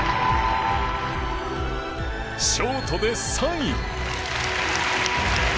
ショートで３位。